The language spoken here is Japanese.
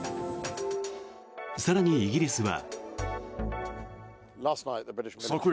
更に、イギリスは。